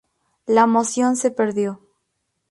La moción se perdió.